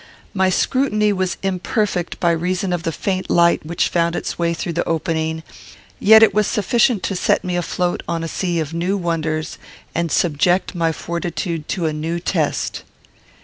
My scrutiny was imperfect by reason of the faint light which found its way through the opening; yet it was sufficient to set me afloat on a sea of new wonders and subject my fortitude to a new test.